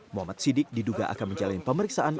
muhammad sidik diduga akan menjalani pemeriksaan